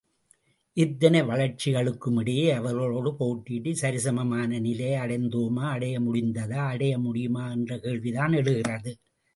இத்தனை வளர்ச்சிகளுக்குமிடையே அவர்களோடு போட்டியிட்டுச் சரிசமமான நிலையை அடைந்தோமா அடைய முடிந்ததா அடைய முடியுமா என்ற கேள்விதான் எழுகிறது.